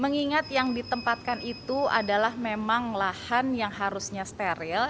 mengingat yang ditempatkan itu adalah memang lahan yang harusnya steril